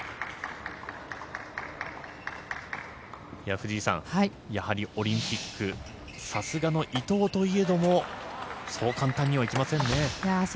藤井さん、やはりオリンピックさすがの伊藤といえどもそう簡単にはいきませんね。